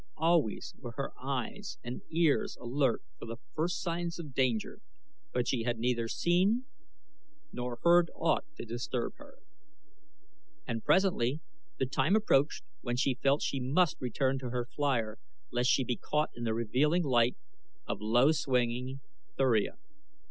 Always were her eyes and ears alert for the first signs of danger, but she had neither seen nor heard aught to disturb her. And presently the time approached when she felt she must return to her flier lest she be caught in the revealing light of low swinging Thuria.